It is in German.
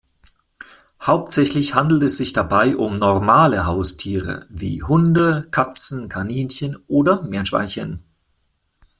Hauptsächlich handelt es sich dabei um „normale“ Haustiere wie Hunde, Katzen, Kaninchen oder Meerschweinchen.